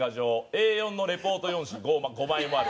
「Ａ４のレポート用紙５枚もある」